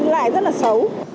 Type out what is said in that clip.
lại rất là xấu